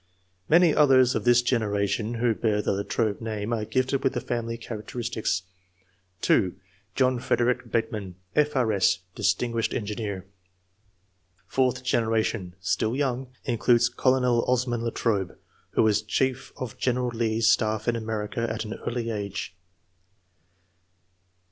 Many others of this generation, who bear the Latrobe name, are gifted with the family characteristics. (2) John Frederick Bateman, F.E.S., distinguished engineer. Fourth generation — (still young) — includes Colonel Osman Latrobe, who was chief of General Lee's staff in America at an early age.